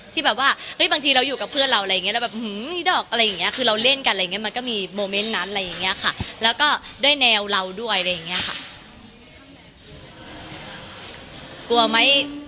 ที่แบบว่าบางทีเราอยู่กับเพื่อนเรา